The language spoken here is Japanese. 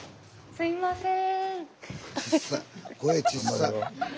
すいません。